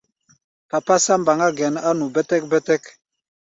Papásá mbaŋá gɛn á nu bɛ́tɛ́k-bɛ́tɛ́k.